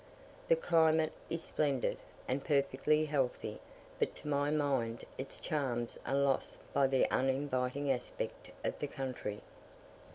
The climate is splendid, and perfectly healthy; but to my mind its charms are lost by the uninviting aspect of the country.